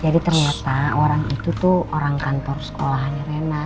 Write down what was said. jadi ternyata orang itu tuh orang kantor sekolahnya rena